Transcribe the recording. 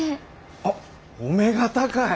あっお目が高い！